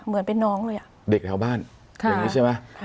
เหมือนเป็นน้องเลยอ่ะเด็กแถวบ้านอย่างนี้ใช่ไหม